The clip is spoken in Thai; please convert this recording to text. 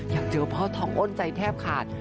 อยากเจอพ่อทองอ้นใจแทบขาด